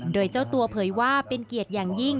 โดยเจ้าตัวเผยว่าเป็นเกียรติอย่างยิ่ง